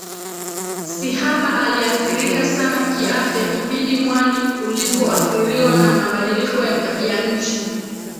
Sihaba aliathirika sana kiafya kipindi mwani ulipoathiriwa na mabadiliko ya tabia nchi